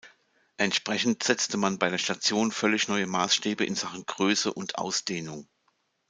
Entsprechend setzte man bei der Station völlig neue Maßstäbe in Sachen Größe und Ausdehnung.